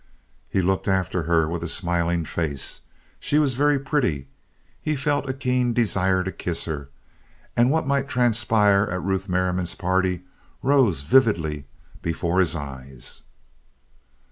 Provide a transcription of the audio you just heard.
He looked after her with a smiling face. She was very pretty. He felt a keen desire to kiss her, and what might transpire at Ruth Merriam's party rose vividly before his eyes.